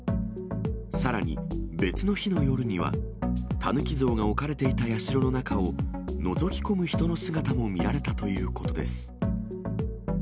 さらに、別の日の夜には、タヌキ像が置かれていた社の中をのぞき込む人の姿も見られたということです。